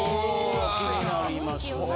気になりますね。